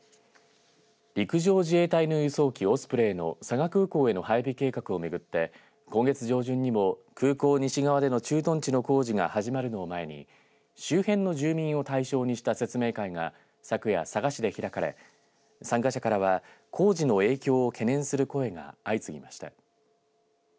陸上自衛隊の輸送機オスプレイの佐賀空港への配備計画を巡って今月上旬にも空港西側での駐屯地の工事が始まるのを前に周辺の住民を対象にした説明会が昨夜佐賀市で開かれ参加者からは工事の影響を懸念する声が相次ぎました。